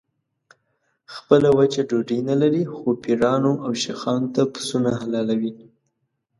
خپله وچه ډوډۍ نه لري خو پیرانو او شیخانو ته پسونه حلالوي.